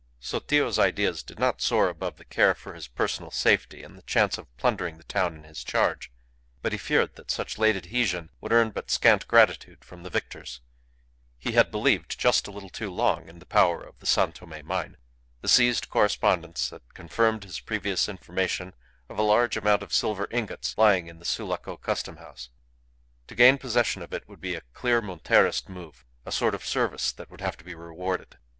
Sotillo's ideas did not soar above the care for his personal safety and the chance of plundering the town in his charge, but he feared that such a late adhesion would earn but scant gratitude from the victors. He had believed just a little too long in the power of the San Tome mine. The seized correspondence had confirmed his previous information of a large amount of silver ingots lying in the Sulaco Custom House. To gain possession of it would be a clear Monterist move; a sort of service that would have to be rewarded.